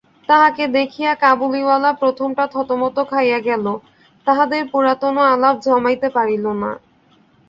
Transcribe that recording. তাহাকে দেখিয়া কাবুলিওয়ালা প্রথমটা থতমত খাইয়া গেল, তাহাদের পুরাতন আলাপ জমাইতে পারিল না।